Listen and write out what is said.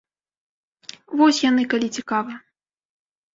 Вось яны, калі цікава!